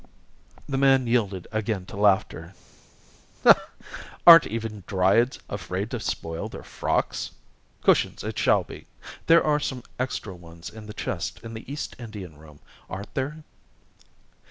The man yielded again to laughter. "Are even Dryads afraid to spoil their frocks? Cushions it shall be. There are some extra ones in the chest in the East Indian room, aren't there?"